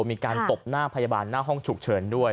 มีการตบหน้าพยาบาลหน้าห้องฉุกเฉินด้วย